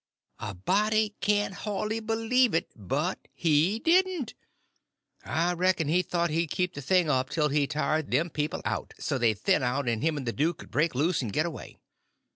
A body can't hardly believe it, but he didn't. I reckon he thought he'd keep the thing up till he tired them people out, so they'd thin out, and him and the duke could break loose and get away.